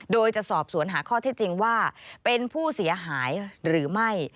โดยจะสอบสวนหาข้อเท็จจริงว่าเป็นผู้เสียหายหรือไม่